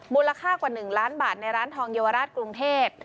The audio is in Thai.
มูลค่ากว่า๑ล้านบาทในร้านทองเยาวราชกรุงเทพ